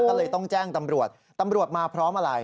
ก็เลยต้องแจ้งตำรวจตำรวจมาพร้อมอะไร